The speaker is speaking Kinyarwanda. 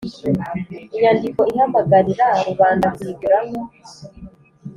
inyandiko ihamagararira rubanda kuyiguramo